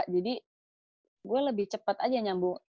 jadi gue lebih cepat aja nyambung